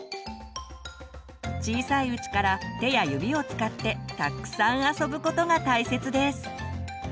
小さいうちから手や指を使ってたっくさん遊ぶことが大切です。